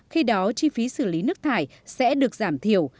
khi đó chi phí xử lý nước thải sẽ được giảm thiểu